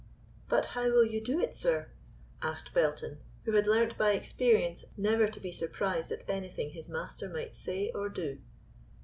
"But how will you do it, sir?" asked Belton, who had learnt by experience never to be surprised at anything his master might say or do.